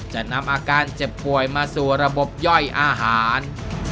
จะนำอาการเจ็บป่วยมาสู่ระบบย่อยอาหาร